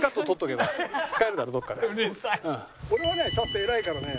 俺はねちゃんと偉いからね